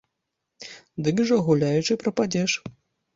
Дык жа гуляючы прападзеш.